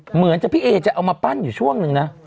เหมือนจะพี่เอจะเอามาปั้นอยู่ช่วงนึงนะ